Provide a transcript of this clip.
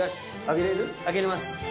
上げれます。